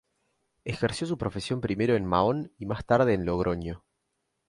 Ejerció su profesión primero en Mahón y más tarde en Logroño.